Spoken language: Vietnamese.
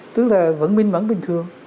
tức là vẫn minh mẫn bình thường